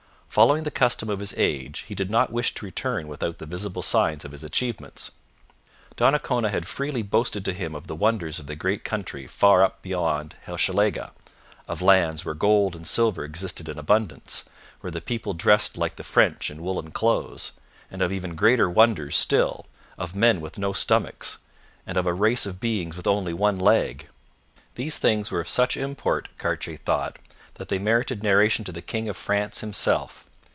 Following the custom of his age, he did not wish to return without the visible signs of his achievements. Donnacona had freely boasted to him of the wonders of the great country far up beyond Hochelaga, of lands where gold and silver existed in abundance, where the people dressed like the French in woollen clothes, and of even greater wonders still, of men with no stomachs, and of a race of beings with only one leg. These things were of such import, Cartier thought, that they merited narration to the king of France himself.